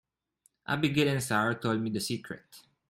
Abigail and Sara told me the secret.